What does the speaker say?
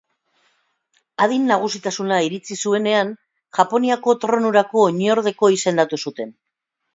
Adin nagusitasuna iritsi zuenean, Japoniako tronurako oinordeko izendatu zuten.